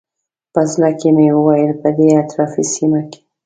په زړه کې مې وویل په دې اطرافي سیمه کې.